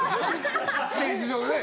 ステージ上でね。